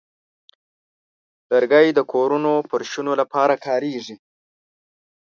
لرګی د کورونو فرشونو لپاره کاریږي.